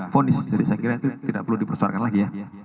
jadi saya kira itu tidak perlu dipersoarkan lagi ya